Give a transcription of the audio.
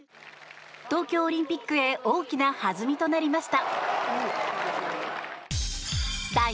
東京オリンピックへ大きな弾みとなりました。